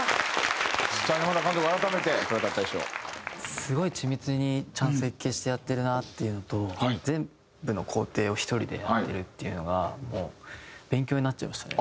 すごい緻密にちゃんと設計してやってるなっていうのと全部の工程を１人でやってるっていうのが勉強になっちゃいましたね。